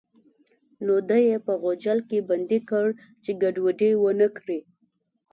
نو دی یې په غوجل کې بندي کړ چې ګډوډي ونه کړي.